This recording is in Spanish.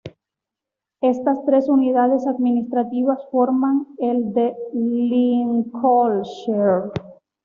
Estas tres unidades administrativas forman el de Lincolnshire.